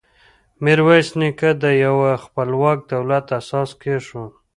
میرویس نیکه د یوه خپلواک دولت اساس کېښود.